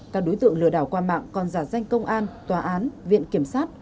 các đối tượng lừa đảo qua mạng còn giả danh công an tòa án viện kiểm sát